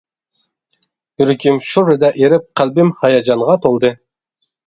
يۈرىكىم شۇررىدە ئېرىپ، قەلبىم ھاياجانغا تولدى.